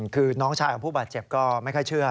คือน้องชายของผู้บาดเจ็บก็ไม่ค่อยเชื่อ